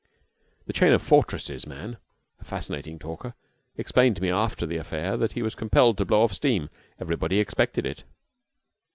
"The chain of fortresses" man, a fascinating talker, explained to me after the affair that he was compelled to blow off steam. Everybody expected it.